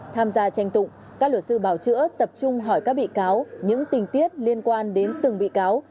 tham gia tranh tụng các luật sư bảo chữa tập trung hỏi các bị cáo những tình tiết liên quan đến từng bị cáo